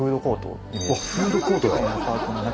あっフードコートだ。